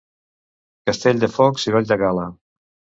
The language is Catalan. Castell de focs i ball de gala.